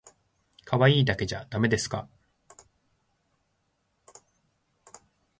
かわいいだけじゃだめですか